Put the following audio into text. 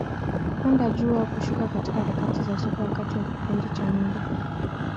Kupanda juu au kushuka katika harakati za soko, wakati wa kipindi cha muda.